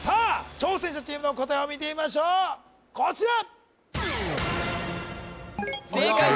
挑戦者チームの答えを見てみましょうこちら！